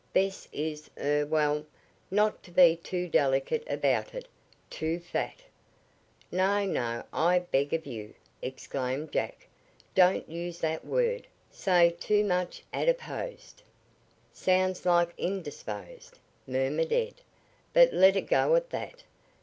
Bess is er well, not to be too delicate about it too fat " "No, no, I beg of you!" exclaimed Jack. "Don't use that word. Say too much adiposed." "Sounds like indisposed," murmured Ed; "but let it go at that.